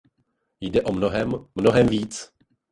Jde o mnohem, mnohem víc.